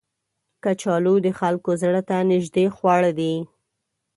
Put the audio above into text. کچالو د خلکو زړه ته نیژدې خواړه دي